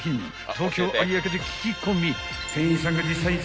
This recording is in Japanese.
東京有明で聞き込み］